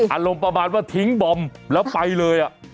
อารมณ์ประมาณว่าทิ้งบอมแล้วไปเลย